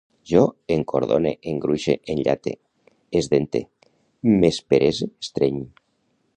Jo encordone, engruixe, enllate, esdente, m'esperese, estreny